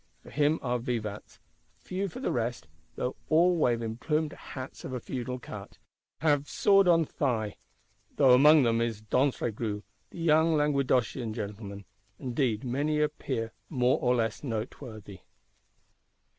For him are vivats: few for the rest, though all wave in plumed "hats of a feudal cut," and have sword on thigh; though among them is D'Antraigues, the young Languedocian gentleman,—and indeed many a Peer more or less noteworthy.